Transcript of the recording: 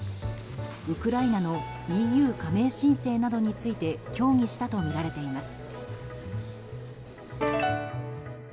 ウクライナのＥＵ加盟申請などについて協議したとみられています。